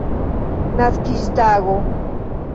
naskiĝtago